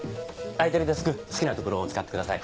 空いてるデスク好きなところを使ってください。